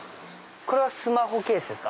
これはスマホケースですか？